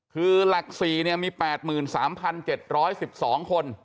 คือหลัก๔มี๘๓๗๑๒คน